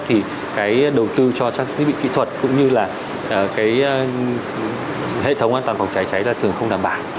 thì cái đầu tư cho các thiết bị kỹ thuật cũng như là cái hệ thống an toàn phòng cháy cháy là thường không đảm bảo